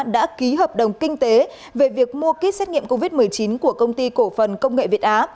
đã ký hợp đồng kinh tế về việc mua kit xét nghiệm covid một mươi chín của công ty cổ phần công nghệ việt á